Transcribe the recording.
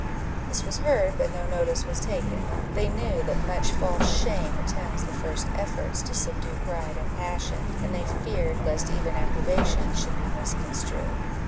This was heard, but no notice was taken; they knew that much false shame attends the first efforts to subdue pride and passion, and they feared lest even approbation should be misconstrued.